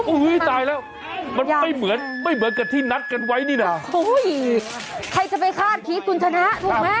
อุ๊ยตายแล้วมันไม่เหมือนกับที่นัดกันไว้นี่นะโอ้โฮยใครจะไปฆาตผีกุญชนะถูกไหม